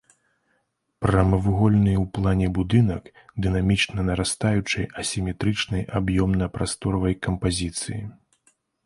Прамавугольны ў плане будынак дынамічна нарастаючай асіметрычнай аб'ёмна-прасторавай кампазіцыі.